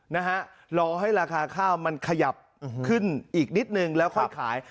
นะฮะรอให้ราคาข้าวมันขยับขึ้นอีกนิดนึงแล้วค่อยขาย